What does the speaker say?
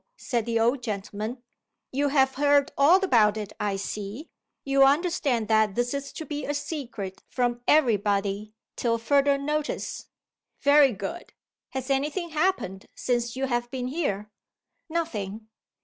said the old gentleman. "You have heard all about it, I see? You understand that this is to be a secret from every body, till further notice? Very good, Has any thing happened since you have been here?" "Nothing.